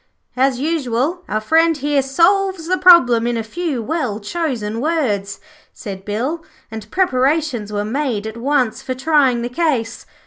'As usual, our friend here solves the problem in a few well chosen words,' said Bill, and preparations were made at once for trying the case.